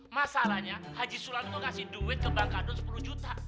masalahnya haji sulam itu ngasih duit ke bang kadun sepuluh juta